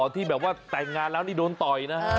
ที่แบบว่าแต่งงานแล้วนี่โดนต่อยนะฮะ